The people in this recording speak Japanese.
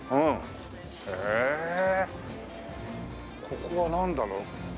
ここはなんだろう？